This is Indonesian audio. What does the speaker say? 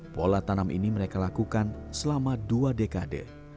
pola tanam ini mereka lakukan selama dua dekade